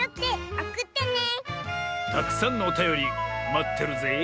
たくさんのおたよりまってるぜえ。